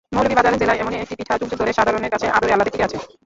মৌলভীবাজার জেলায় এমনই একটি পিঠা যুগ যুগ ধরে সাধারণের কাছে আদরে-আহ্লাদে টিকে আছে।